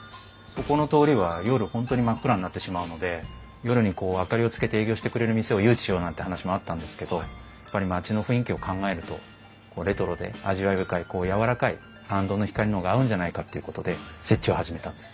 ここの通りは夜本当に真っ暗になってしまうので夜に明かりをつけて営業してくれる店を誘致しようなんて話もあったんですけどやっぱり町の雰囲気を考えるとレトロで味わい深いやわらかい行灯の光の方が合うんじゃないかっていうことで設置を始めたんです。